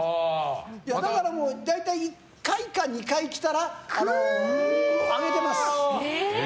だからもう、大体１回か２回着たらあげてます。